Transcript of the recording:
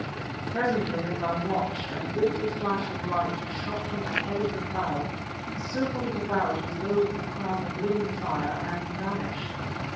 Presently, as I watched, an awful flash of light shot from the head of the cloud, circled it about as though with a crown of living fire, and vanished.